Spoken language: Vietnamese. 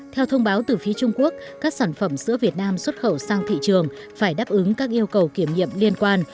theo thông báo từ phía trung quốc các sản phẩm sữa việt nam xuất khẩu sang thị trường phải đáp ứng các yêu cầu kiểm nghiệm liên quan